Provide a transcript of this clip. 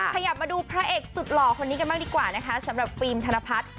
ขยับมาดูพระเอกสุดหล่อคนนี้กันบ้างดีกว่านะคะสำหรับฟิล์มธนพัฒน์